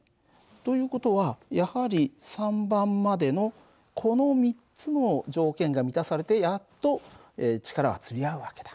という事はやはり３番までのこの３つの条件が満たされてやっと力がつり合う訳だ。